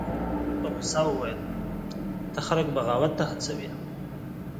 ګرګين په غوسه وويل: ته خلک بغاوت ته هڅوې!